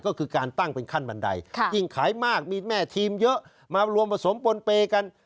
ก็คือการตั้งเป็นขั้นบันไดยิ่งขายมากมีแม่ทีมเยอะมารวมผสมปนเปย์กัน